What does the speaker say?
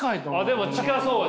でも近そう。